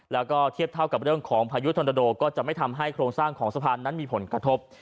แล้วก็เทียบเท่ากับเรื่องของพายุธนโดก็จะไม่ทำให้โครงสร้างของสะพานนั้นมีผลกระทบ